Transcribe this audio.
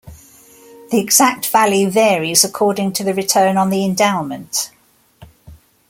The exact value varies according to the return on the endowment.